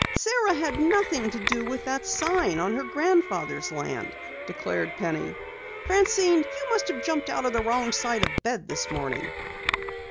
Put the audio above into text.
"Sara had nothing to do with that sign on her grandfather's land," declared Penny. "Francine, you must have jumped out of the wrong side of the bed this morning."